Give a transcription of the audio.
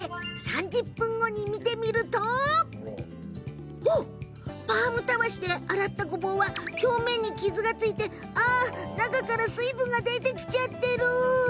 それぞれのたわしでごぼうを洗い３０分後に見てみるとパームたわしで洗ったごぼうは表面に傷がついて中から水分が出てきちゃってる。